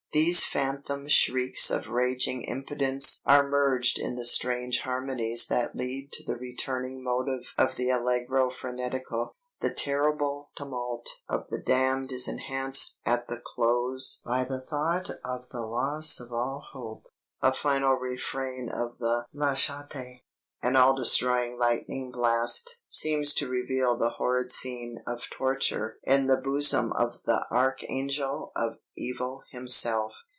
These phantom shrieks of raging impotence are merged in the strange harmonies that lead to the returning motive of the Allegro frenetico. The terrible tumult of the damned is enhanced at the close by the thought of the loss of all hope a final refrain of the Lasciate, an all destroying lightning blast, seems to reveal the horrid scene of torture in the bosom of the archangel of evil himself.